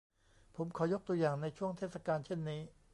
ผมขอยกตัวอย่างในช่วงเทศกาลเช่นนี้